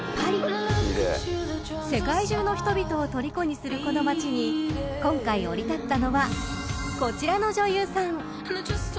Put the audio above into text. ［世界中の人々をとりこにするこの町に今回降り立ったのはこちらの女優さん］